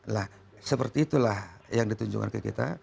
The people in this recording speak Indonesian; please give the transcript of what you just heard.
nah seperti itulah yang ditunjukkan ke kita